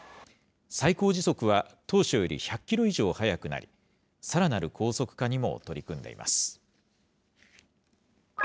最高時速は当初より１００キロ以上速くなり、さらなる高速化にも取り組んでいます。